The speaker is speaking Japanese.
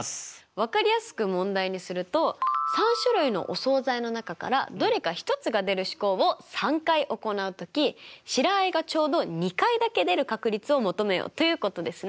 分かりやすく問題にすると３種類のお総菜の中からどれか１つが出る試行を３回行うとき白あえがちょうど２回だけ出る確率を求めよということですね。